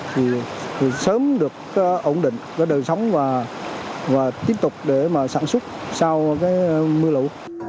thì sớm được ổn định đời sống và tiếp tục để mà sản xuất sau mưa lũ